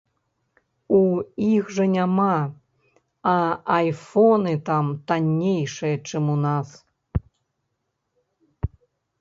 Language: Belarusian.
У іх жа няма, а айфоны там таннейшыя, чым у нас.